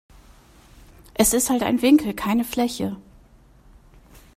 Es ist halt ein Winkel, keine Fläche.